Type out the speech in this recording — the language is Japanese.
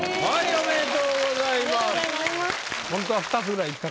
ありがとうございます。